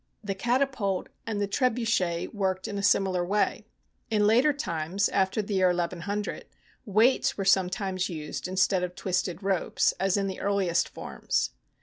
The catapult and the trebuchet worked in a similar way. In later times — after the year 1100 — weights were sometimes used instead of twisted ropes, as in the earliest forms.